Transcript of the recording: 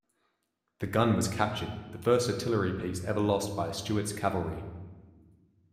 The gun was captured, the first artillery piece ever lost by Stuart's cavalry.